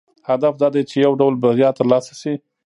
هدف دا دی چې یو ډول بریا ترلاسه شي.